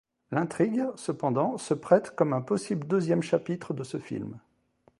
L'intrigue, cependant, se prête comme un possible deuxième chapitre de ce film.